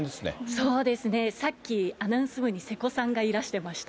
そうですね、さっき、アナウンス部に瀬古さんがいらしてました。